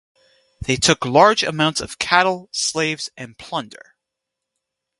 They took large amounts of cattle, slaves and plunder.